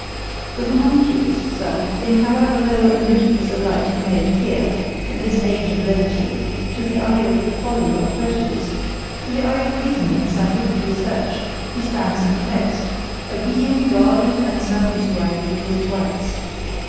The HOMUNCULUS, Sir, in however low and ludicrous a light he may appear, in this age of levity, to the eye of folly or prejudice;—to the eye of reason in scientific research, he stands confess'd—a BEING guarded and circumscribed with rights.